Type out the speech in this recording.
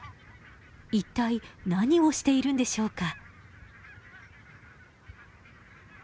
一体何をしているんでしょうか。